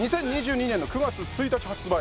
２０２２年の９月１日発売